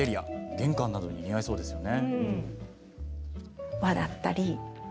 玄関などに似合いそうですよね。